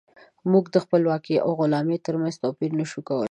موږ د خپلواکۍ او غلامۍ ترمنځ توپير نشو کولی.